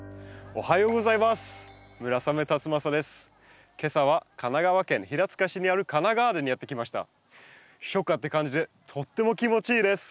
おはようございます。